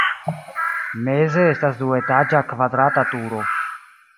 Meze estas duetaĝa kvadrata turo.